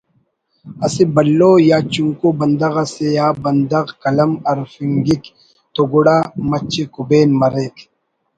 اسہ بھلو یا چنکو بندغ اسے آ بندغ قلم ہرفنگک تو گڑا مچے کبین مریک